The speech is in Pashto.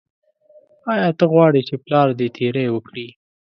ایا ته غواړې چې پلار دې تیری وکړي.